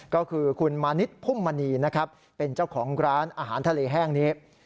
ก็คือคุณมานิดพุ่มมณีนะครับเป็นเจ้าของร้านอาหารทะเลแห้งนี้